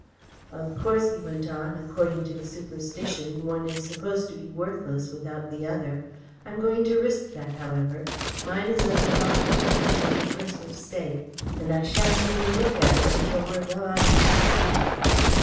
"Of course," he went on, "according to the superstition, one is supposed to be worthless without the other. I am going to risk that, however. Mine is under lock and key in the purser's safe, and I sha'n't even look at it until we're well out of these seas."